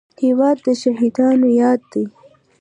هېواد د شهیدانو یاد دی.